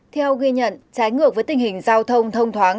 theo ghi nhận trái ngược với tình hình giao thông thông thoáng